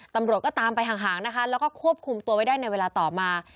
ตำรวจก็ตามไปห่างนะคะแล้วก็ควบคุมตัวไว้ได้ในเวลาต่อมา